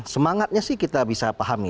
semangatnya sih kita bisa pahami